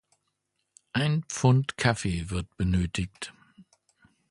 Ein Pfund Kaffee wird benötigt.